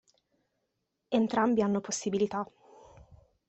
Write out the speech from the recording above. Entrambi hanno possibilità.